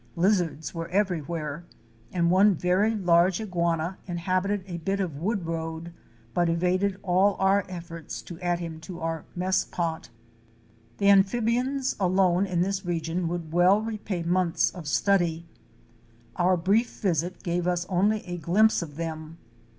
Lizards were everywhere and one very large iguana inhabited a bit of wood road, but evaded all . our efforts to add him to our mess pot. The Amphibians alone in this region would well repay months of study. Our brief visit gave us only a glimpse of them.